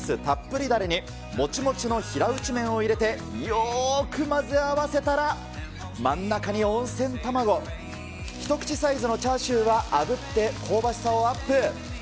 たっぷりだれに、もちもちの平打ち麺を入れてよーく混ぜ合わせたら、真ん中に温泉卵、一口サイズのチャーシューはあぶって香ばしさをアップ。